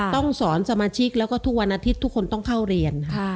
ต้องสอนสมาชิกแล้วก็ทุกวันอาทิตย์ทุกคนต้องเข้าเรียน